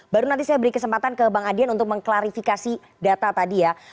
baru nanti saya beri kesempatan ke bang adian untuk mengklarifikasi data tadi ya